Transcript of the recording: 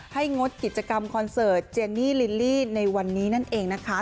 งดกิจกรรมคอนเสิร์ตเจนี่ลิลลี่ในวันนี้นั่นเองนะคะ